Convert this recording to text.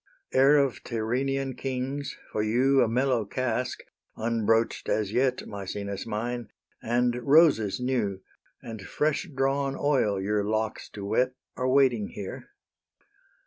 Heir of Tyrrhenian kings, for you A mellow cask, unbroach'd as yet, Maecenas mine, and roses new, And fresh drawn oil your locks to wet, Are waiting here.